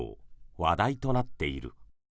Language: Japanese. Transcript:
話題となっている。